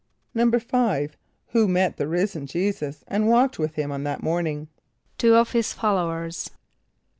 = =5.= Who met the risen J[=e]´[s+]us and walked with him on that morning? =Two of his followers.